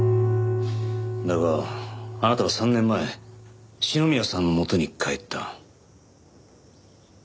だがあなたは３年前篠宮さんのもとに帰った。